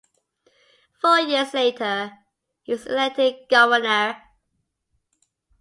Four years later he was elected governor.